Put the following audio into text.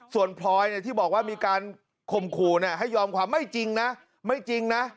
ส่วนพลอยที่บอกว่ามีการข่มขู่ให้ยอมความไม่จริงนะไม่จริงนะ